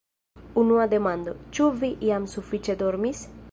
Unua demando, ĉu vi jam sufiĉe dormis?